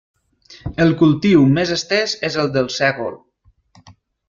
El cultiu més estès és el del sègol.